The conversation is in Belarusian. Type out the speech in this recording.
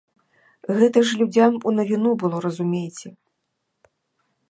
Гэта ж людзям у навіну было, разумееце?